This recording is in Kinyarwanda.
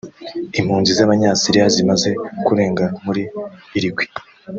Impunzi z’Abanyasiriya zimaze kurenga muri Uruguay